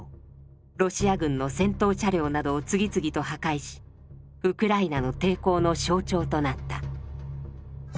ロシア軍の戦闘車両などを次々と破壊しウクライナの抵抗の象徴となった。